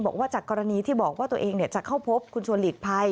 บอกว่าจากกรณีที่บอกว่าตัวเองจะเข้าพบคุณชวนหลีกภัย